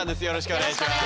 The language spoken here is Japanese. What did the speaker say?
お願いします。